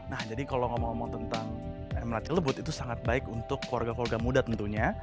nah jadi kalau ngomong ngomong tentang emerald celebut itu sangat baik untuk keluarga keluarga muda tentunya